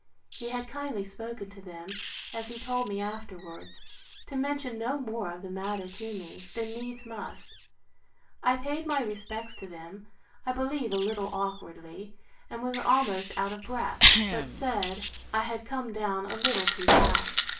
He had kindly spoken to them, as he told me afterwards, to mention no more of the matter to me, than needs must. I paid my respects to them, I believe a little awkwardly, and was almost out of breath: but said, I had come down a little too fast.